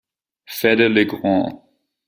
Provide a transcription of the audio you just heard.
Fedde Le Grand.